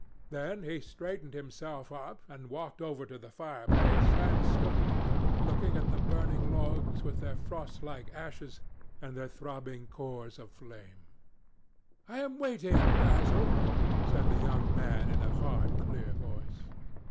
Then he straightened himself up, and walked over to the fire place, and stood there, looking at the burning logs with their frostlike ashes and their throbbing cores of flame. "I am waiting, Basil," said the young man in a hard clear voice.